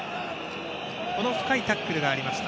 この深いタックルがありました。